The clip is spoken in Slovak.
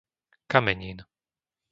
Kamenín